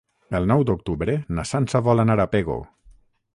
El nou d'octubre na Sança vol anar a Pego.